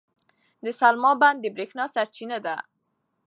د سلما بند د برېښنا سرچینه ده.